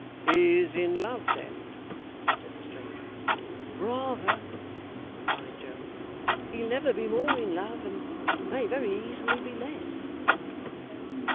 'He is in love then?' said the stranger. 'Rather,' replied Joe. 'He'll never be more in love, and may very easily be less.